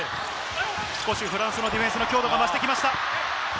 少しフランスのディフェンスの強度が増してきました。